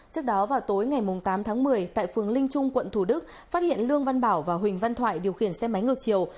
trước đó vào tối ngày tám tháng một mươi tại phường linh trung quận thủ đức phát hiện lương văn bảo và huỳnh văn thoại điều khiển xe máy ngược chiều